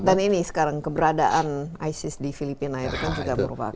dan ini sekarang keberadaan isis di filipina itu kan sudah merupakan